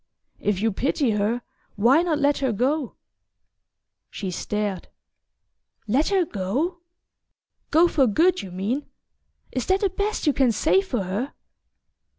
"If you pity her, why not let her go?" She stared. "Let her go go for good, you mean? Is that the best you can say for her?"